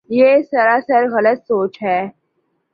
یہ سراسر غلط سوچ ہے۔